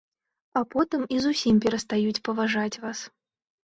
А потым і зусім перастаюць паважаць вас.